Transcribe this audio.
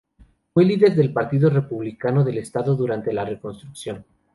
Fue el líder del partido republicano del estado durante la reconstrucción.